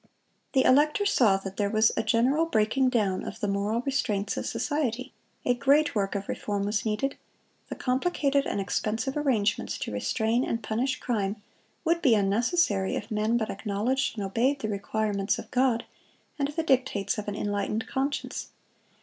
(184) The elector saw that there was a general breaking down of the moral restraints of society. A great work of reform was needed. The complicated and expensive arrangements to restrain and punish crime would be unnecessary if men but acknowledged and obeyed the requirements of God and the dictates of an enlightened conscience.